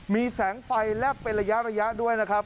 มีแสงไฟแลบเป็นระยะด้วยนะครับ